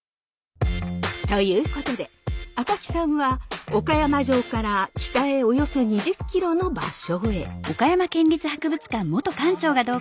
ということで赤木さんは岡山城から北へおよそ２０ｋｍの場所へ。